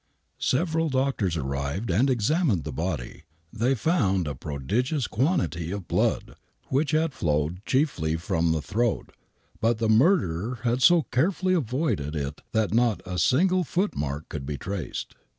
Several doctors arrived and examined the body. They found a prodigious quantity of blood, which had flowed chiefly from ¥3^€^'* THS WHITECHAPEL MURDERS 37 the throat, but the murderer had so carefully avoided it that not a single footmark could be traced.